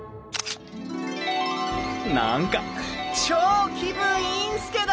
何か超気分いいんすけど！